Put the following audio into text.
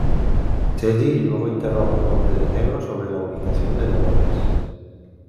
Teddy luego interroga al Hombre de Negro sobre la ubicación de Dolores.